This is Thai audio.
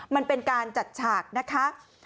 มันเป็นการจัดฉากนะคะ